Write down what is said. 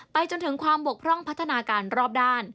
จนถึงความบกพร่องพัฒนาการรอบด้าน